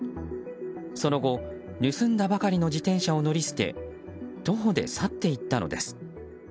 その後、盗んだばかりの自転車を乗り捨て徒歩で去って行ったのんです。